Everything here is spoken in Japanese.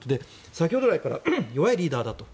先ほど来から弱いリーダーだと。